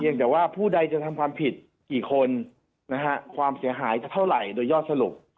ยังแต่ว่าผู้ใดจะทำความผิดกี่คนนะฮะความเสียหายจะเท่าไหร่โดยยอดสรุป